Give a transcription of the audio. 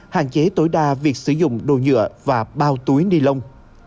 hạn chế tối đa việc sử dụng đồ nhựa và bao túi ni lông